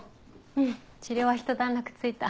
うん治療はひと段落ついた。